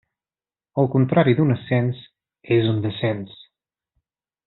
El contrari d'un ascens és un descens.